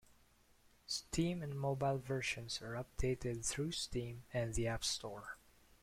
Steam and mobile versions are updated through Steam and the App Store.